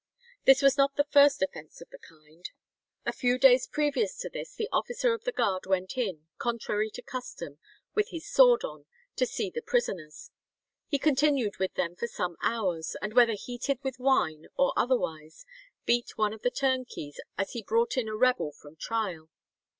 This was not the first offence of the kind. A few days previous to this the officer of the guard went in, contrary to custom, with his sword on, to see the prisoners. He continued with them for some hours, and whether heated with wine or otherwise, beat one of the turnkeys as he brought in a rebel from trial.